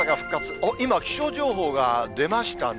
おっ、今、気象情報が出ましたね。